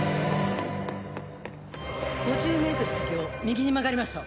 ５０ｍ先を右に曲がりました。